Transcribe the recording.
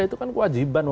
itu kan kewajiban